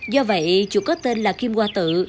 do vậy chùa có tên là kim hoa tự